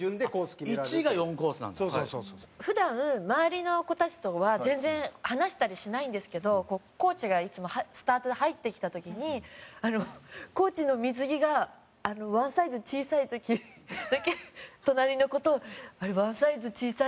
普段周りの子たちとは全然話したりしないんですけどコーチがいつもスタートで入ってきた時にコーチの水着がワンサイズ小さい時だけ隣の子と「あれワンサイズ小さいよね」